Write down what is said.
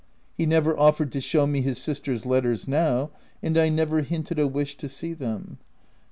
He never offered to show me his sister's letters now ; and I never hinted a wish to see them.